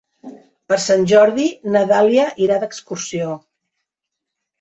Per Sant Jordi na Dàlia irà d'excursió.